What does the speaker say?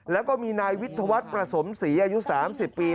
แล้วก็มีนายวิทยาวัฒน์ประสมศรีอายุ๓๐ปี